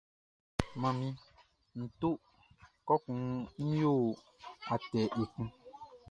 Manmi, nʼto kɔkun nʼyo atɛ ekun.